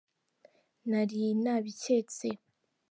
nari nabicyetse.